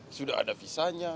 nggak ada visanya